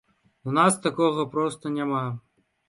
У нас такога проста няма.